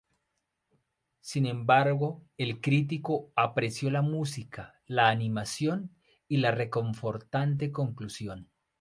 Sin embargo, el crítico apreció la música, la animación y la reconfortante conclusión.